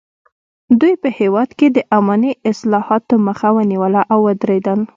دوی په هېواد کې د اماني اصلاحاتو مخه ونیوله او ودریدل.